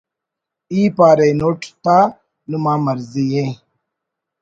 ای پارینُٹ تا نما مرضی ءِ